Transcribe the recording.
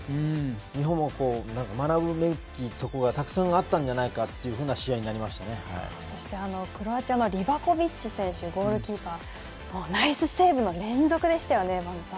日本も学ぶべきところがたくさんあったのじゃないかクロアチアのリバコビッチ選手ナイスセーブの連続でしたよね。